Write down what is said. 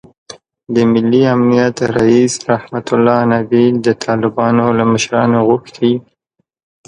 د ملي امنیت رییس رحمتالله نبیل د طالبانو له مشرانو غوښتي